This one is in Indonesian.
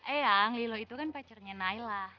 eh yang lilo itu kan pacarnya nailah